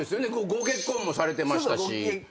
ご結婚もされてましたし。